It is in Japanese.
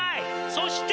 そして！